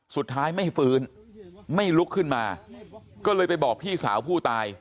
สุดท้ายไม่ฟื้นไม่ลุกขึ้นมาก็เลยไปบอกพี่สาวผู้ตาย